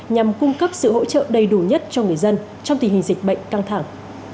nhằm cung cấp sự hỗ trợ đầy đủ nhất cho người dân trong tình hình dịch bệnh căng thẳng